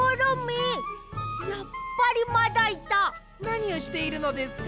なにをしているのですか？